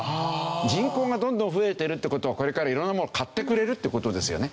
人口がどんどん増えてるって事はこれからいろんなものを買ってくれるという事ですよね。